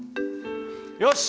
よし！